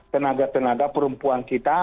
tenaga tenaga perempuan kita